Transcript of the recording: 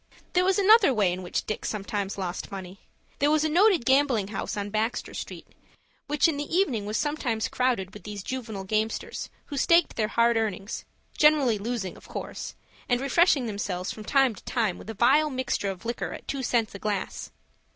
There was another way in which Dick sometimes lost money. There was a noted gambling house on Baxter Street, which in the evening was sometimes crowded with these juvenile gamesters, who staked their hard earnings, generally losing of course, and refreshing themselves from time to time with a vile mixture of liquor at two cents a glass.